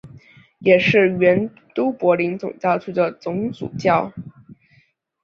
也是原都柏林总教区总主教。